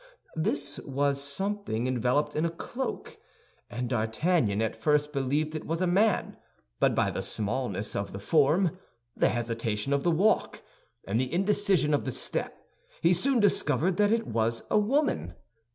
This something was enveloped in a cloak, and D'Artagnan at first believed it was a man; but by the smallness of the form, the hesitation of the walk, and the indecision of the step, he soon discovered that it was a woman.